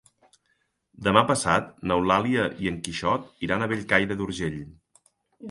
Demà passat n'Eulàlia i en Quixot iran a Bellcaire d'Urgell.